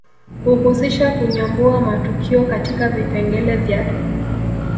Huhusisha kunyambua matukio katika vipengele vyake